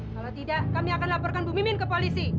kalau tidak kami akan laporkan bu mimin ke polisi